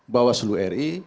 bawah seluruh ri